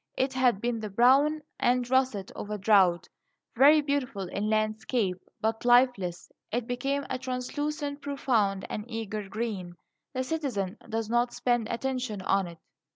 It had been the brown and russet of drought very beautiful in landscape, but lifeless; it became a translucent, profound, and eager green. The citizen does not spend attention on it.